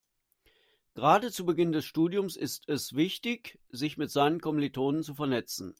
Gerade zu Beginn des Studiums ist es wichtig, sich mit seinen Kommilitonen zu vernetzen.